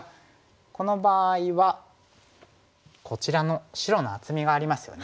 この場合はこちらの白の厚みがありますよね。